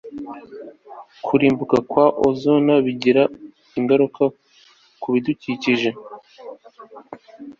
kurimbuka kwa ozone bigira ingaruka kubidukikije